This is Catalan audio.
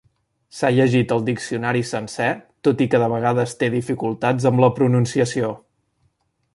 S'ha llegit el diccionari sencer, tot i que de vegades té dificultats amb la pronunciació.